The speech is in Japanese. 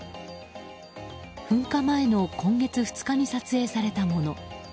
噴火前の今月２日に撮影されたもの。